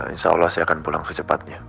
insya allah saya akan pulang secepatnya